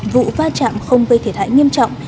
vụ va chạm không vây thiệt hại nghiêm trọng